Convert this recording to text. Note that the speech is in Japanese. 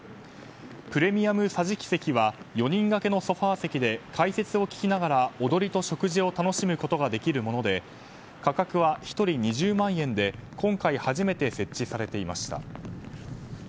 プレミアム桟敷席は４人掛けのソファ席で解説を聞きながら踊りと食事を楽しむことができるもので価格は１人２０万円で今回初めて設置されていました。